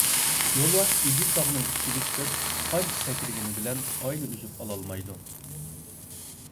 يولۋاس ئېگىز تاغنىڭ ئۈستىگە چىقىپ قانچە سەكرىگىنى بىلەن ئاينى ئۈزۈپ ئالالمايدۇ.